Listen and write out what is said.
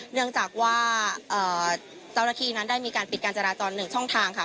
เนื่องจากว่าเจ้าหน้าที่นั้นได้มีการปิดการจราจร๑ช่องทางค่ะ